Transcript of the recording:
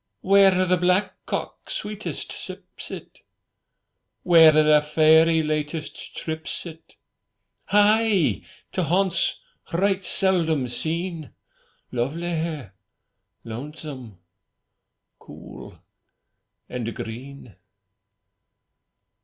Where the black cock sweetest sips it, Where the fairy latest trips it: Hie to haunts right seldom seen. Lovely, lonesome, cool, and green!